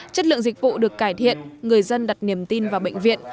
chất lượng dịch vụ được cải thiện người dân đặt niềm tin vào bệnh viện